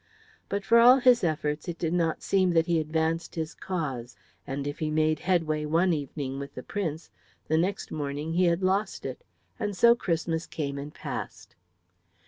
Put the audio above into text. But for all his efforts it did not seem that he advanced his cause; and if he made headway one evening with the Prince, the next morning he had lost it, and so Christmas came and passed.